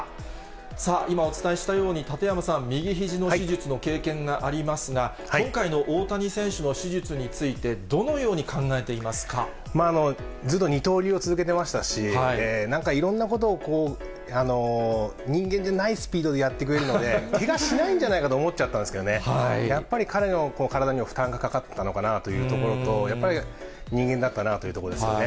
さあ、今お伝えしたように、館山さん、右ひじの手術の経験がありますが、今回の大谷選手の手術について、ずっと二刀流を続けてましたし、なんかいろんなことを人間でないスピードでやっているので、けがしないんじゃないかと思っちゃったんですけどね、やっぱり彼の体にも負担がかかってたのかなというところと、やっぱり人間だったなというところですよね。